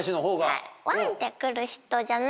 はい。